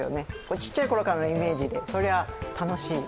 ちっちゃいころからのイメージで、それは楽しい。